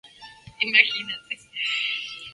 Tiene una capilla dedicada a San Miguel.